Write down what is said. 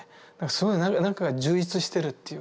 すごい何かが充溢してるっていうか。